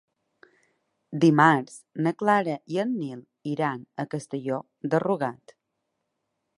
Dimarts na Clara i en Nil iran a Castelló de Rugat.